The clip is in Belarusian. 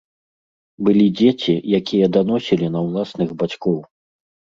Былі дзеці, якія даносілі на ўласных бацькоў.